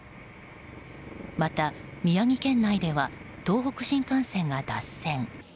また、宮城県内では東北新幹線が脱線。